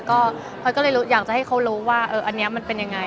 ก็เลยอยากจะให้เขารู้ว่าอันนี้มันเป็นยังไง